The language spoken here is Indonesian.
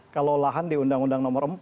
kalau lahan di undang undang nomor empat